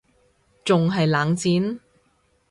仲係冷戰????？